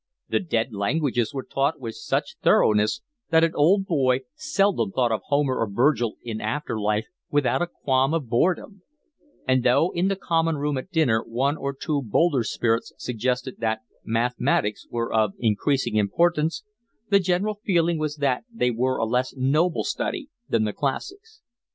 The dead languages were taught with such thoroughness that an old boy seldom thought of Homer or Virgil in after life without a qualm of boredom; and though in the common room at dinner one or two bolder spirits suggested that mathematics were of increasing importance, the general feeling was that they were a less noble study than the classics.